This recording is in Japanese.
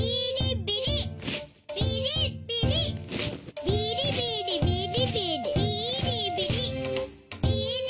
ビリビリビリビリビーリビリ！